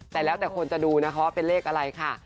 แต่แล้วแต่คนจะดูนะคะว่าเป็นเลขอะไรค่ะ